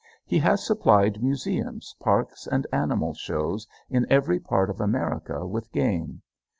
He has supplied museums, parks, and animal shows in every part of America with game.